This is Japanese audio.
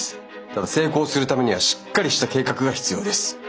ただ成功するためにはしっかりした計画が必要です。